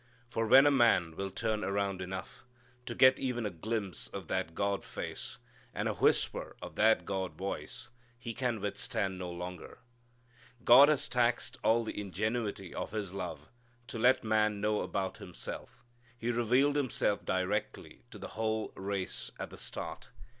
For when a man will turn around enough to get even a glimpse of that God Face, and a whisper of that God Voice, he can withstand no longer. God has taxed all the ingenuity of His love to let man know about Himself. He revealed Himself directly to the whole race at the start.